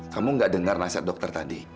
kamu gak dengar nasib dokter tadi